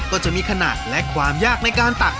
ก็จะมีขนาดและความยากในการตัก